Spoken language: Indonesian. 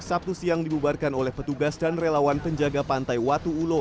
sabtu siang dibubarkan oleh petugas dan relawan penjaga pantai watu ulo